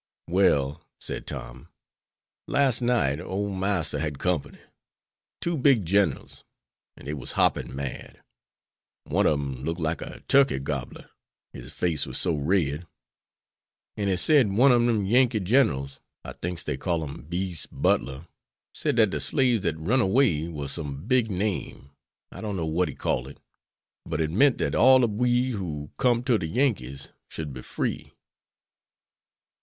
"Well," said Tom, "las' night ole Marster had company. Two big ginerals, and dey was hoppin' mad. One ob dem looked like a turkey gobbler, his face war so red. An' he sed one ob dem Yankee ginerals, I thinks dey called him Beas' Butler, sed dat de slaves dat runned away war some big name I don't know what he called it. But it meant dat all ob we who com'd to de Yankees should be free."